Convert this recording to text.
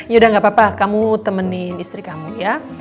yaudah gak apa apa kamu temenin istri kamu ya